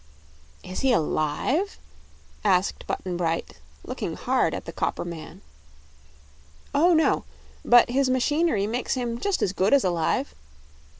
"Is he alive?" asked Button Bright, looking hard at the copper man. "Oh, no, but his machinery makes him just as good as alive."